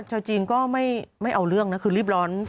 ชาวจีนก็ไม่เอาเรื่องนะคือรีบร้อน